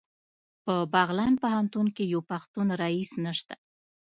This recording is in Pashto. په بغلان پوهنتون کې یو پښتون رییس نشته